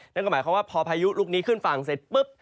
นั่นก็หมายความว่าพอพายุลูกนี้ขึ้นฝั่งเสร็จปุ๊บ